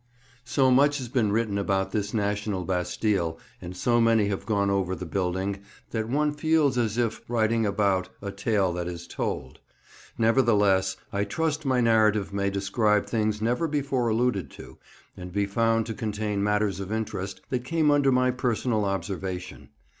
SO much has been written about this national Bastille, and so many have gone over the building, that one feels as if writing about "a tale that is told." Nevertheless, I trust my narrative may describe things never before alluded to, and be found to contain matters of interest that came under my personal observation.